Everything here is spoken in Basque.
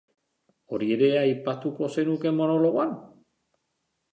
Hori ere aipatuko zenuke monologoan?